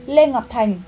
lê ngọc thành